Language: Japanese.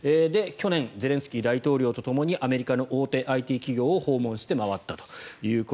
去年ゼレンスキー大統領とともにアメリカの大手ＩＴ企業を訪問して回ったと。